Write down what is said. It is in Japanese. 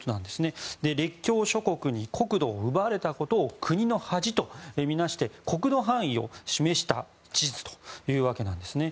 列強諸国に国土を奪われたことを国の恥とみなして国土範囲を示した地図というわけなんですね。